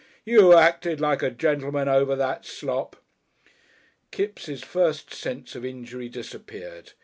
You acted like a gentleman over that slop." Kipps' first sense of injury disappeared.